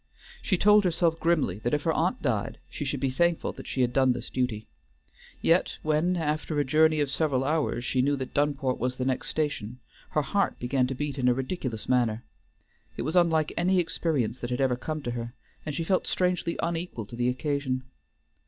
She told herself grimly that if her aunt died she should be thankful that she had done this duty; yet when, after a journey of several hours, she knew that Dunport was the next station, her heart began to beat in a ridiculous manner. It was unlike any experience that had ever come to her, and she felt strangely unequal to the occasion.